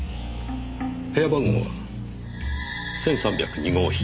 部屋番号は１３０２号室。